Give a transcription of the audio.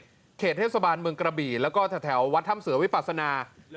และเขตเทพศบาลเมืองกระบีและก็แถววัดทำเสือวิปาสนา